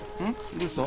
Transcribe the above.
どうした？